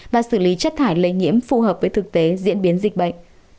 và xử lý chất thải lây nhiễm phù hợp với thực tế diễn biến dịch bệnh